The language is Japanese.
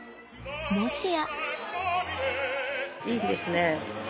もしや。